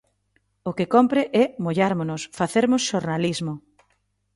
O que cómpre é mollármonos, facermos xornalismo.